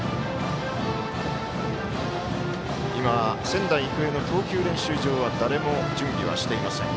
仙台育英の投球練習場は誰も準備はしていません。